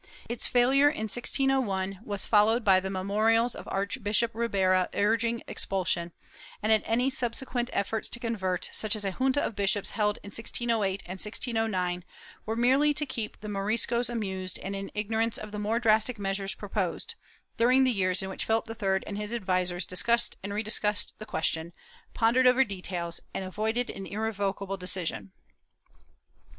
Its failure, in 1601, was followed by the memorials of Archbishop Ribera urging expulsion, and any subsequent efforts to convert, such as a junta of bishops held in 1608 and 1609, were merely to keep the Moriscos amused and in ignorance of the more drastic measures proposed, during the years in which Philip III and his advisers discussed and rediscussed the question, pondered over details and avoided an irrevocable decision.